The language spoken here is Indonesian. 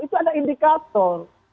itu ada indikator